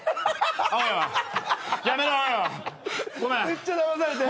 めっちゃだまされてる。